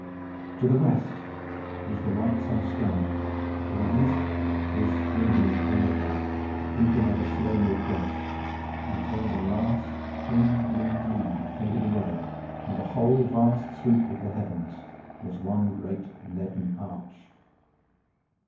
To the west was the light summer sky, to the east this brooding cloud bank, creeping ever slowly across, until the last thin blue gleam faded away and the whole vast sweep of the heavens was one great leaden arch.